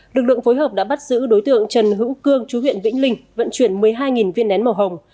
lực lượng phối hợp đã bắt giữ đối tượng trần hữu cương chú huyện vĩnh linh vận chuyển một mươi hai viên nén màu hồng